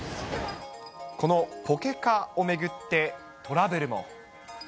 このポケカを巡って、トラブルも。